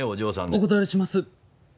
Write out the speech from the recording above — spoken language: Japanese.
お断りします。